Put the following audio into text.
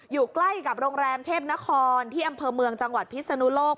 อยู่ใกล้กับโรงแรมเทพนครที่อำเภอเมืองจังหวัดพิศนุโลก